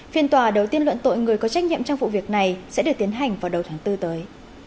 phiên tòa đầu tiên luận tội người có trách nhiệm trong vụ việc này sẽ được tiến hành vào đầu tháng bốn tới